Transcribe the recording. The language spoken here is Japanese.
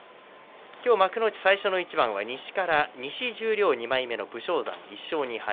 今日、幕内最初の一番は西から西十両２枚目の武将山、１勝２敗。